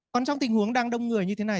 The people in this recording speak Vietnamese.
còn trong tình huống đang đông người như thế này